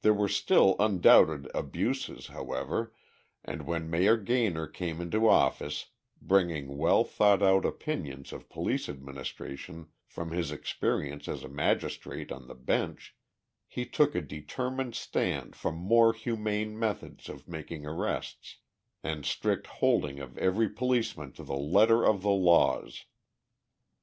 There were still undoubted abuses, however, and when Mayor Gaynor came into office, bringing well thought out opinions of police administration from his experience as a magistrate on the bench, he took a determined stand for more humane methods of making arrests, and strict holding of every policeman to the letter of the laws.